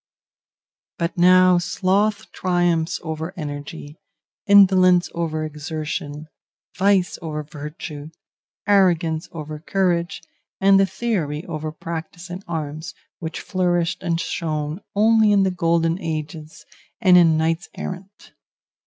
But now sloth triumphs over energy, indolence over exertion, vice over virtue, arrogance over courage, and theory over practice in arms, which flourished and shone only in the golden ages and in knights errant.